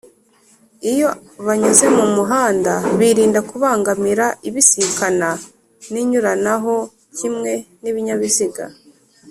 iyo banyuze mumuhanda birinda kubangamira ibisikana n’inyuranaho kimwe n’ibinyabiziga